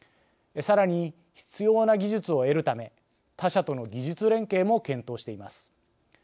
さらに必要な技術を得るため他社との技術連携も検討しています。